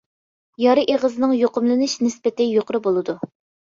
يارا ئېغىزىنىڭ يۇقۇملىنىش نىسبىتى يۇقىرى بولىدۇ.